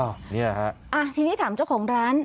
ใช่ทีนี้ถามเจ้าของร้าน